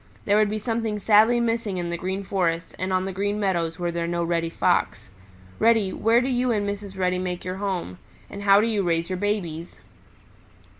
There would be something sadly missing in the Green Forest and on the Green Meadows were there no Reddy Fox. Reddy, where do you and Mrs. Reddy make your home? And how do you raise your babies?"